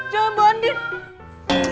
jangan bu andin